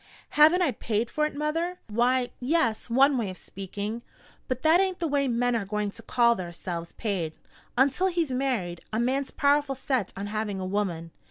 "Haven't I paid for it, mother?" "Why, yes, one way of speaking. But that ain't the way men are going to call theirselves paid. Until he's married, a man's powerful set on having a woman.